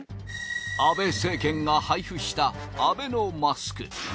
安倍政権が配布したアベノマスク。